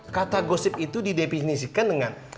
kamus besar bahasa indonesia edisi keempat